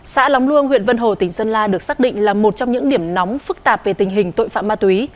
xã lóng luông huyện vân hồ tỉnh sơn la được xác định là một trong những điểm nóng phức tạp về tình hình tội phạm ma túy